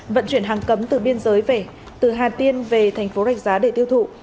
vận chuyển hàng cấm từ biên giới về từ hà tiên về thành phố rạch giá để tiêu thụ